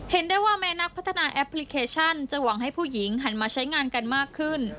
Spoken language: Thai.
ได้ว่าแม้นักพัฒนาแอปพลิเคชันจะหวังให้ผู้หญิงหันมาใช้งานกันมากขึ้น